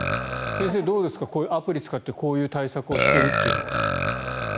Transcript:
先生、どうですかアプリを使ってこういう対策をしているというのは。